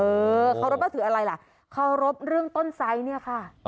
เออเคารพนับถืออะไรล่ะเคารพเรื่องต้นไซส์เนี่ยค่ะ